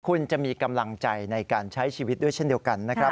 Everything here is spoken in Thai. คุณจะมีกำลังใจในการใช้ชีวิตด้วยเช่นเดียวกันนะครับ